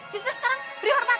yaudah sekarang beri hormat